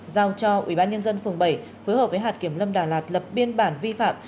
giao cho ubnd phường bảy phối hợp với hạt kiểm lâm đà lạt lập biên bản vi phạm